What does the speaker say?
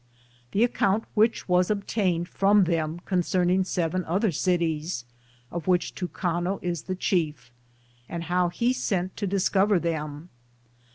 The account which was obtained from them concerning seven other cities, of which Tucano is the chief, and how he sent to discover them.